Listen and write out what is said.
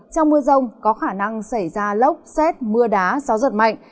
trong mưa rông có khả năng xảy ra lốc xét mưa đá gió giật mạnh